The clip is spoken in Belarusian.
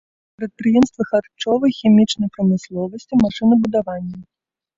Прадпрыемствы харчовай, хімічнай прамысловасці, машынабудавання.